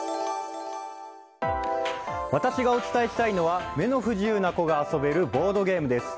私がお伝えしたいのは目の不自由な子が遊べるボードゲームです。